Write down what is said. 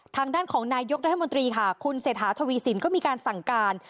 ทางด้านของนายกรัฐมนตรีค่ะคุณเศรษฐาทวีสินก็มีการสั่งการ